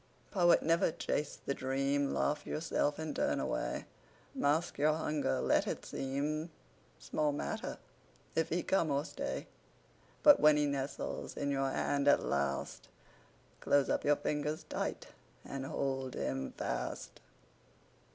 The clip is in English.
Poet, never chase the dream. Laugh yourself and turn away. Mask your hunger; let it seem Small matter if he come or stay; But when he nestles in your hand at last, Close up your fingers tight and hold him fast.